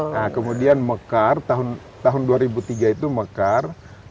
nah kemudian mekar tahun dua ribu tiga itu mekar